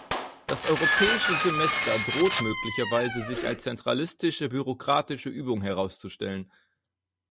Das europäische Semester droht möglicherweise sich als zentralistische bürokratische Übung herauszustellen.